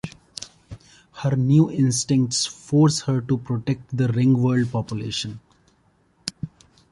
Her new instincts force her to protect the Ringworld population.